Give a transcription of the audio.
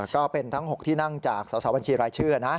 ก็เป็นทั้ง๖ที่นั่งจากสอบบัญชีรายชื่อนะ